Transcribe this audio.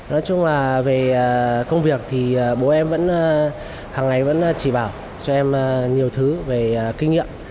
nói chung là về công việc thì bố em vẫn hàng ngày vẫn chỉ bảo cho em nhiều thứ về kinh nghiệm